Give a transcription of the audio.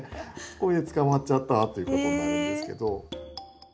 これで捕まっちゃったっていうことになるんですけど。